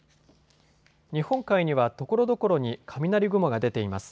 日本海にはところどころに雷雲が出ています。